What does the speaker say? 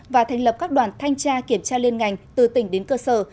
và thành lập các đoàn thanh tra kiểm tra liên ngành từ tỉnh đến cơ sở